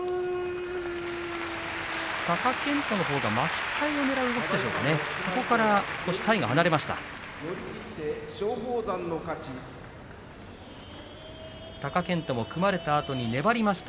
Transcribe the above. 貴健斗のほうが巻きかえをねらう動きでしたがそこから体が少し離れました。